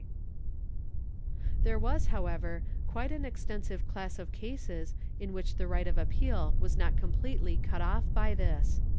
^ There was, however, quite an extensive class of cases in which the right of appeal was not completely cut off by this.